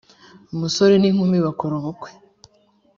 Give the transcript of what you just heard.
umusore n ‘inkumi bakora ubukwe.